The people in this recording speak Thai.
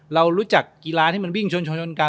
เรารู้จักกีฬาที่มันวิ่งชนกัน